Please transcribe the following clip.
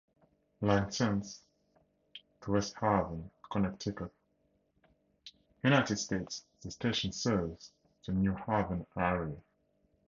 Licensed to West Haven, Connecticut, United States, the station serves the New Haven area.